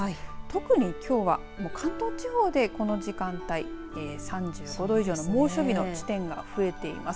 特にきょうは関東地方でこの時間帯３５度以上の猛暑日の地点が増えています。